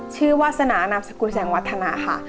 ชื่อวาสนานอำสกุลแสงวัฒนาค่ะ